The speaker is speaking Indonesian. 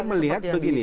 saya melihat begini